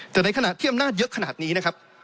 แต่ในขณะที่อำนาจเยอะขนาดนี้นะครับ